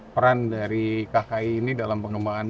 peran dari kki ini dalam pengembangan